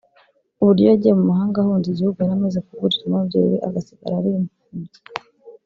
uburyo yagiye mu mahanga ahunze igihugu yari amaze kuburiramo ababyeyi be agasigara ari impubyi